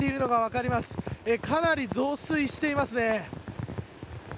かなり増水していますね。